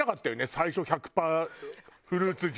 最初１００パーフルーツジュース。